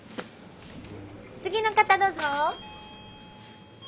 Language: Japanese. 次の方どうぞ。